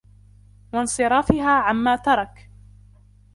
وَانْصِرَافِهَا عَمَّا تَرَكَ